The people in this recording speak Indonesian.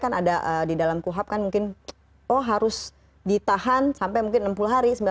kan ada di dalam kuhap kan mungkin oh harus ditahan sampai mungkin enam puluh hari